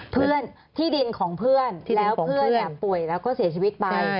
เพื่อนที่ดินของเพื่อนแล้วเพื่อนป่วยแล้วก็เสียชีวิตไป